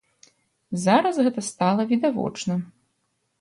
Зараз гэта стала відавочна.